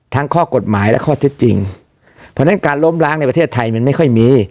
ข้อกฎหมายและข้อเท็จจริงเพราะฉะนั้นการล้มล้างในประเทศไทยมันไม่ค่อยมี